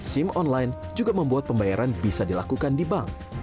sim online juga membuat pembayaran bisa dilakukan di bank